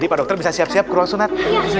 udah siap siap kurang sunat